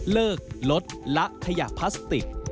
เลิกลดละขยะพลาสติก